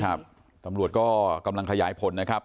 ตำรวจก็กำลังขยายผลนะครับ